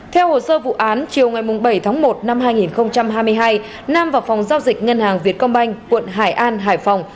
theo hồ sơ vụ án chiều ngày bảy tháng một năm hai nghìn hai mươi hai nam vào phòng giao dịch ngân hàng việt công banh quận hải an hải phòng